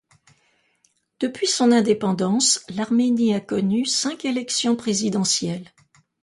Depuis son indépendance, l'Arménie a connu cinq élections présidentielles.